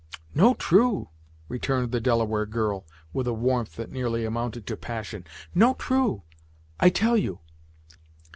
"No true " returned the Delaware girl, with a warmth that nearly amounted to passion. "No true, I tell you!